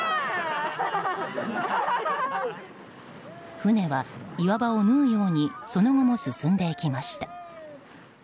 船は、岩場を縫うようにその後も進んでいきました。